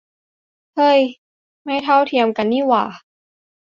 เฮ่ย ไม่เท่าเทียมกันนี่หว่า